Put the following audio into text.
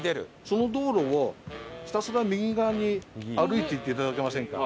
その道路をひたすら右側に歩いていっていただけませんか？